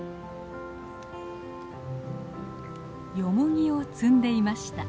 ヨモギを摘んでいました。